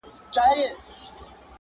په زړه سوي به یې نېکمرغه مظلومان سي-